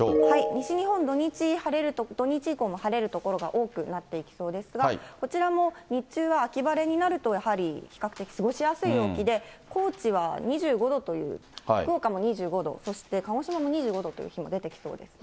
西日本、土日以降も晴れる所が多くなっていきそうですが、こちらも日中は秋晴れになると、やはり比較的過ごしやすい陽気で、高知は２５度という、福岡も２５度、そして鹿児島も２５度という日も出てきそうですね。